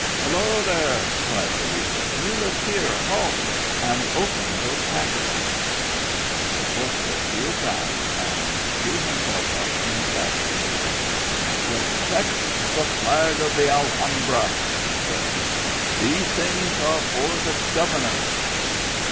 "Hallo, there!" cried the leader: "Muleteer, halt and open those packages." The corporal wheeled round, and drew himself up in battle array. " Respect the flag of the Al hambra," said he ;" these things are for the gov ernor."